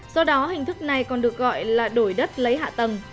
do đó hình thức này còn được gọi là đổi đất lấy hạ tầng